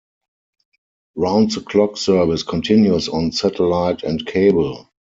Round-the-clock service continues on satellite and cable.